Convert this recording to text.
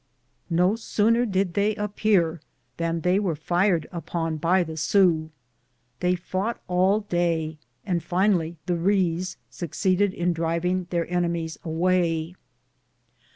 No sooner did they appear than they were fired upon by the Sioux. They fought all day, and finally the Rees succeeded in driving their enemies away.